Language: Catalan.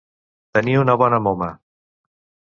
Tenir una bona moma.